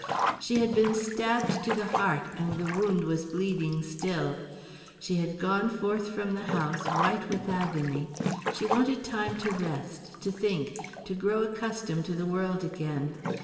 She had been stabbed to the heart, and the wound was bleeding still. She had gone forth from the house white with agony; she wanted time to rest, to think, to grow accustomed to the world again.